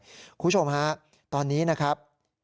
คุณผู้ชมฮะตอนนี้นะครับ